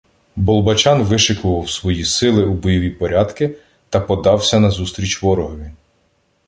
Болбочан вишикував свої сили у бойові порядки та подався назустріч ворогові.